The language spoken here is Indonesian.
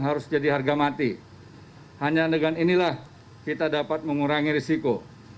hanya dengan inilah kita dapat mengurangi risiko